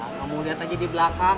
kamu lihat aja di belakang